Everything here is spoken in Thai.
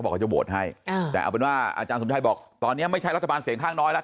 เขาจะโหวตให้แต่เอาเป็นว่าอาจารย์สมชัยบอกตอนนี้ไม่ใช่รัฐบาลเสียงข้างน้อยแล้ว